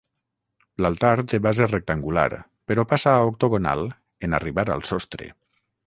L'altar té base rectangular, però passa a octogonal en arribar al sostre.